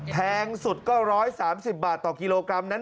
แพงสุดก็๑๓๐บาทต่อกิโลกรัมนั้น